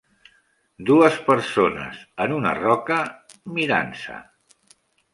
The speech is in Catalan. Dues persones en una roca mirant-se.